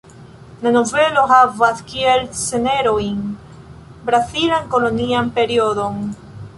La novelo havas kiel scenejon brazilan kolonian periodon.